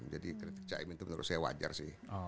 jadi kritik caimin itu menurut saya wajar sih